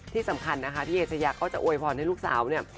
ที่สำคัญนะคะพี่เอชยาก็จะอวยพรให้ลูกสาวเนี่ย